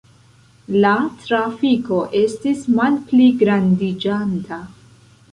La trafiko estis malpligrandiĝanta.